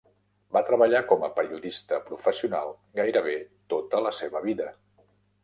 Va treballar com a periodista professional gairebé tota la seva vida.